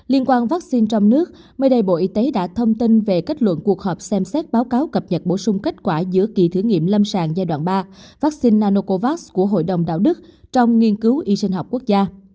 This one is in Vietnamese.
liên quan vaccine trong nước mới đây bộ y tế đã thông tin về kết luận cuộc họp xem xét báo cáo cập nhật bổ sung kết quả giữa kỳ thử nghiệm lâm sàng giai đoạn ba vaccine nanocovax của hội đồng đạo đức trong nghiên cứu y sinh học quốc gia